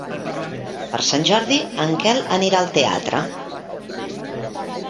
Per Sant Jordi en Quel anirà al teatre.